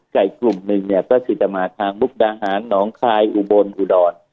ใกล้กลุ่มนึงเนี่ยก็คือจะมาทางบุ๊กดาหารหนองคลายอุบลอุดร